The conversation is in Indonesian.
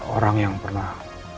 orang yang pernah